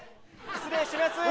失礼します。